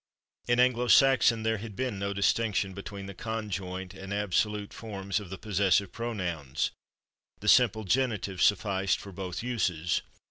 In Anglo Saxon there had been no distinction between the conjoint and absolute forms of the possessive pronouns; the simple genitive sufficed for both uses.